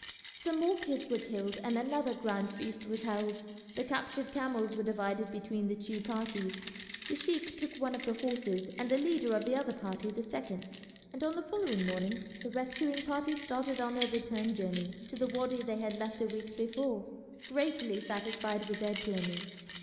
Some more kids were killed and another grand feast was held. The captured camels were divided between the two parties. The sheik took one of the horses and the leader of the other party the second, and on the following morning the rescuing party started on their return journey to the wady they had left a week before, greatly satisfied with their journey.